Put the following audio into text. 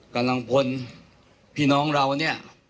กำลังพลพี่น้องเราเนี่ย